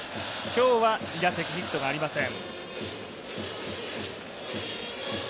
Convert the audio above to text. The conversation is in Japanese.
今日は２打席、ヒットがありません。